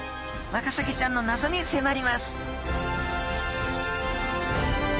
ワカサギちゃんのなぞにせまります